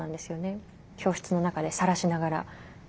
教室の中でさらしながら。